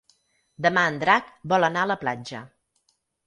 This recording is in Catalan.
Demà en Drac vol anar a la platja.